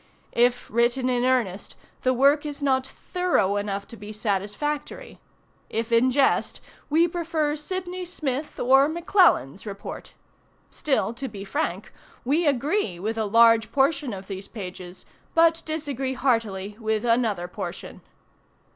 "If written in earnest, the work is not thorough enough to be satisfactory; if in jest, we prefer Sydney Smith or McClellan's Report. Still, to be frank, we agree with a large portion of these pages, but disagree heartily with another portion."